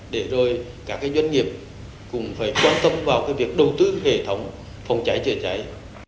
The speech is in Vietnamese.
để rồi các doanh nghiệp cũng phải quan tâm vào việc đầu tư hệ thống phòng cháy chế cháy